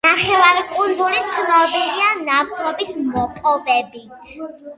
ნახევარკუნძული ცნობილია ნავთობის მოპოვებით.